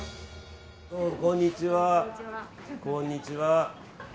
こんにちは。